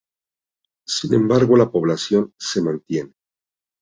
Sin embargo la población se mantiene.